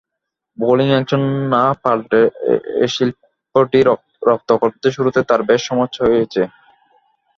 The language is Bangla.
বোলিং অ্যাকশন না পাল্টে শিল্পটি রপ্ত করতে শুরুতে তাঁর বেশ সমস্যা হয়েছে।